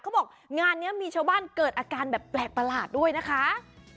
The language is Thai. เขาบอกงานนี้มีชาวบ้านเกิดอาการแบบแปลกประหลาดด้วยนะคะ